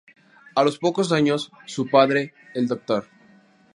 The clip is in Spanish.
A los pocos años su padre, el Dr.